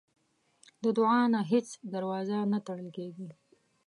د دعا نه هیڅ دروازه نه تړل کېږي.